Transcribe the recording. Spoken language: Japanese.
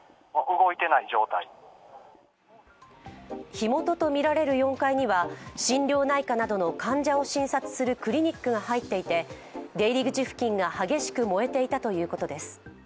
火元とみられる４階には心療内科などの患者を診察するクリニックが入っていて、出入り口付近が激しく燃えていたということです。